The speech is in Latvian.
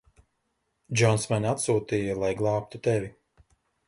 Džons mani atsūtīja, lai glābtu tevi.